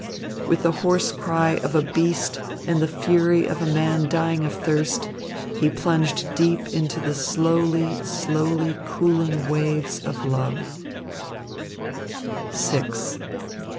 With the hoarse cry of a beast and the fury of a man dying of thirst, he plunged deep into the slowly, slowly cooling waves of love.